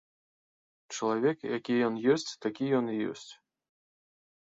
Чалавек які ён ёсць, такі ён і ёсць.